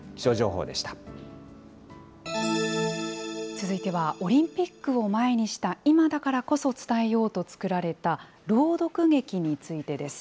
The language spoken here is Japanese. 続いてはオリンピックを前にした今だからこそ伝えようと作られた朗読劇についてです。